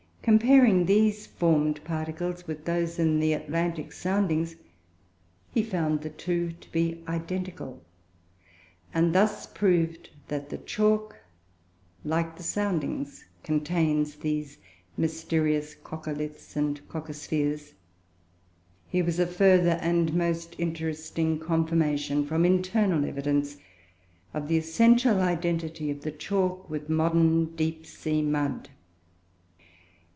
Comparing these formed particles with those in the Atlantic soundings, he found the two to be identical; and thus proved that the chalk, like the surroundings, contains these mysterious coccoliths and coccospheres. Here was a further and most interesting confirmation, from internal evidence, of the essential identity of the chalk with modern deep sea mud.